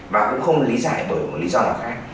và cũng không lý giải bởi một lý do nào khác